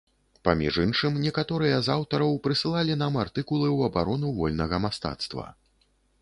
Паміж іншым, некаторыя з аўтараў прысылалі нам артыкулы ў абарону вольнага мастацтва.